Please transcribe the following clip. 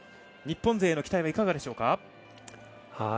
日本勢への期待はいかがでしょうか。